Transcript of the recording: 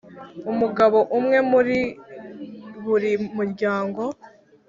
umugabo umwe muri buri muryango